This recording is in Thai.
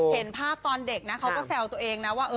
เห็นภาพตอนเด็กนะเขาก็แซวตัวเองนะว่า